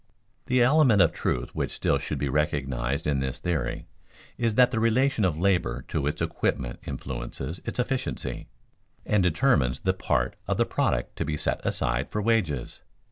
The element of truth which still should be recognized in this theory is that the relation of labor to its equipment influences its efficiency, and determines the part of the product to be set aside for wages.